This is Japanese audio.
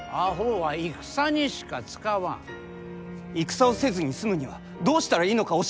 戦をせずに済むにはどうしたらいいのか教えてくだされ！